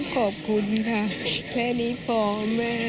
ขอบคุณค่ะแค่นี้พอแม่